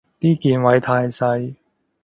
啲鍵位太細